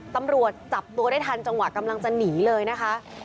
ตำรวจจับตัวได้ทันจังหวะกำลังจะหนีเลยนะคะ